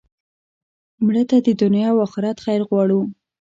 مړه ته د دنیا او آخرت خیر غواړو